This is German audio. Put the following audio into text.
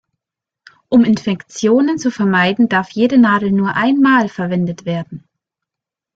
Um Infektionen zu vermeiden, darf jede Nadel nur einmal verwendet werden.